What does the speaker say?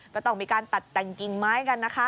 ก็ต้องมีการตัดแต่งกิ่งไม้กันนะคะ